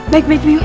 baik baik biung